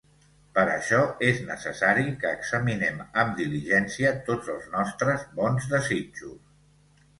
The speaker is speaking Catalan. Per això és necessari que examinem amb diligència tots els nostres bons desitjos.